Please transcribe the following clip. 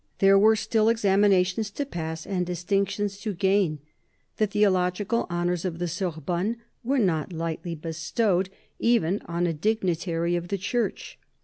There were still examinations to pass and distinctions to gain : the theological honours of the Sorbonne were not lightly bestowed, even on a dignitary of the Church.